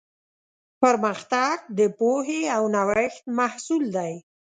پرمختګ د پوهې او نوښت محصول دی.